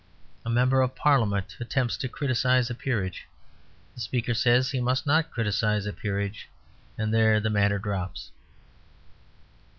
A Member of Parliament attempts to criticise a peerage. The Speaker says he must not criticise a peerage, and there the matter drops.